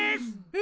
え？